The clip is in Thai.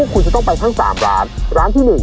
ขอบคุณมากครับ